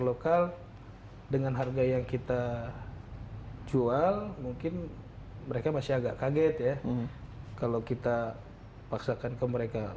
lokal dengan harga yang kita jual mungkin mereka masih agak kaget ya kalau kita paksakan ke mereka